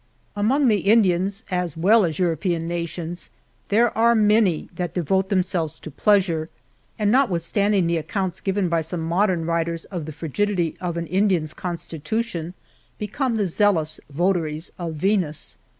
Among the Indians, as well as European nations, there are many that devote themselves to pleasure, and notwith standing the accounts given by some modern writers of the 9S JOURNAL OF frigidity of an Indian's constitution, become the zealous vota ries of Venus.